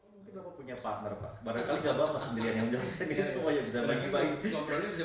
mungkin bapak punya partner pak